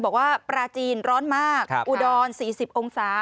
บอกว่าปลาจีนร้อนมากอุดร๔๐องศา